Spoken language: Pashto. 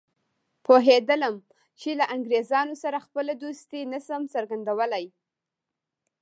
پوهېدلم چې له انګریزانو سره خپله دوستي نه شم څرګندولای.